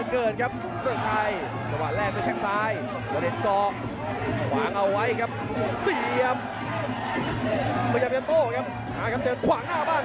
ก็จะเปลี่ยนเข้ามาน้องนายคลอยน่าจะดินให้ขวางขวา